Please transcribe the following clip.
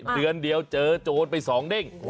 เดือนเดียวเจอโจรไป๒เด้ง